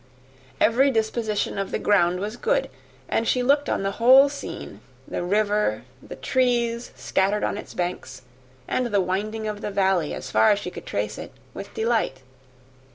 Every disposition of the ground was good; and she looked on the whole scene, the river, the trees scattered on its banks, and the winding of the valley, as far as she could trace it, with delight.